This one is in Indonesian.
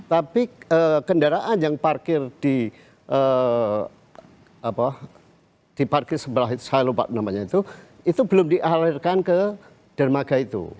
tapi kendaraan yang parkir di parkir sebelah saya lupa namanya itu itu belum dialirkan ke dermaga itu